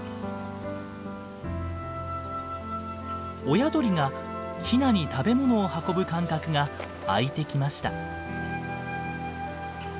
親鳥がヒナに食べ物を運ぶ間隔が空いてきました。